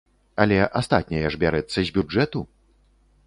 Але астатняе ж бярэцца з бюджэту!